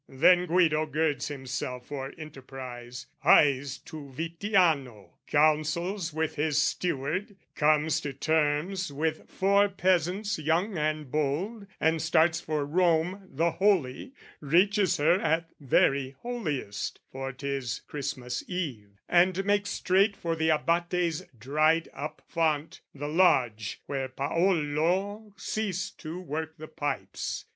Then Guido girds himself for enterprise, Hies to Vittiano, counsels with his steward, Comes to terms with four peasants young and bold, And starts for Rome the Holy, reaches her At very holiest, for 'tis Christmas Eve, And makes straight for the Abate's dried up font, The lodge where Paolo ceased to work the pipes.